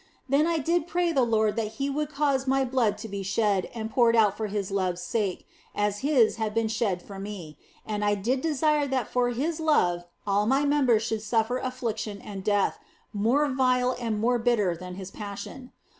Then I did pray the Lord that He would cause my blood to be shed and poured out for His love s sake, as His had been shed for me, and I did desire that for His love all my members should suffer affliction and death, more vile and more bitter than His Passion.